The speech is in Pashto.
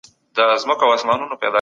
اقتصادي توازن به ډېر ژر رامنځته سي.